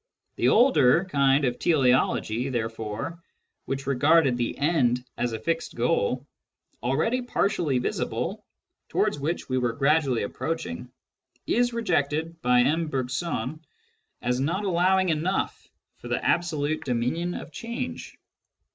The older kind of teleology, therefore, which regarded the End as a fixed goal, already partially visible, towards which we were gradually approaching, is rejected by M. Bergson as not allowing enough for the absolute dominion of change.